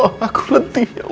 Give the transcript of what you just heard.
ke sekolah ini